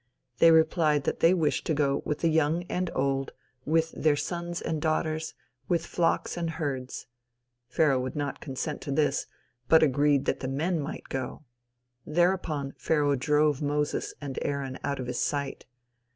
They replied that they wished to go with the young and old; with their sons and daughters, with flocks and herds. Pharaoh would not consent to this, but agreed that the men might go. There upon Pharaoh drove Moses and Aaron out of his sight.